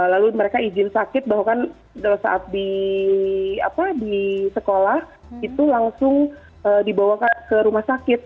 lalu mereka izin sakit bahwa kan saat di sekolah itu langsung dibawa ke rumah sakit